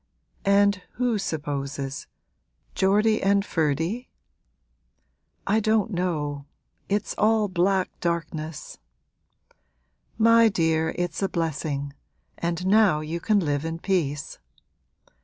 'And who supposes Geordie and Ferdy?' 'I don't know; it's all black darkness!' 'My dear, it's a blessing, and now you can live in peace.'